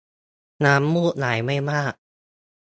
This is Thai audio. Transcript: น้ำมูกไหลไม่มาก